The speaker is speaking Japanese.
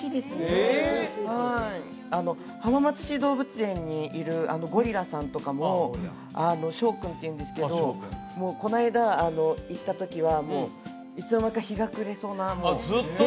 へえはい浜松市動物園にいるゴリラさんとかもショウ君っていうんですけどこの間行ったときはもういつの間にか日が暮れそうなずっと見てた？